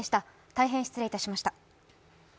大変失礼いたしました。